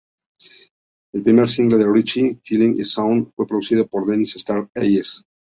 El primer single de Richie, "Killing a Sound" fue producido por Dennis "Star" Hayes.